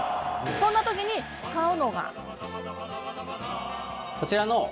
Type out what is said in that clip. そんな時に使うのが。